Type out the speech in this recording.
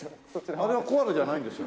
あれはコアラじゃないんですか？